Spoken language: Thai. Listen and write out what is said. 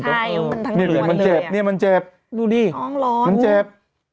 ใช่มันตั้งใจจูบมันเจ็บเนี้ยมันเจ็บดูดิอ้องร้อนมันเจ็บ